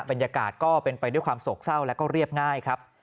บรรยากาศก็เป็นไปด้วยความโศกเศร้าแล้วก็เรียบง่ายครับ